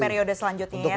untuk periode selanjutnya